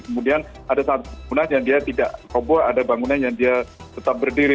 kemudian ada satu bangunan yang dia tidak roboh ada bangunan yang dia tetap berdiri